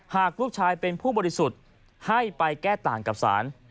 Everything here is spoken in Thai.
หากลูกชายเป็นผู้บริสุทธิ์ให้ไปแก้ต่างกับศาล